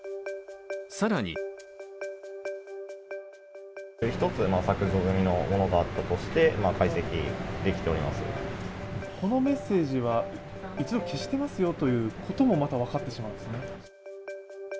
更にこのメッセージは一度消してますよということもまた分かってしまうんですね。